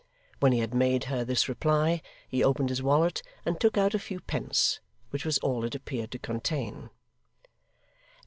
When he had made her this reply, he opened his wallet, and took out a few pence, which was all it appeared to contain.